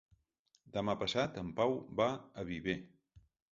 Demà passat en Pau va a Viver.